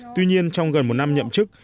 tuy nhiên trong gần một năm nhậm chức